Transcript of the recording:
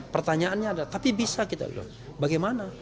pertanyaannya adalah tapi bisa kita bilang bagaimana